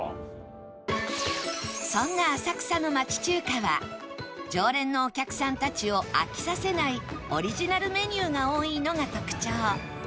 そんな浅草の町中華は常連のお客さんたちを飽きさせないオリジナルメニューが多いのが特徴